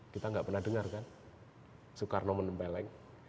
kita nggak pernah dengar kan soekarno menempeleng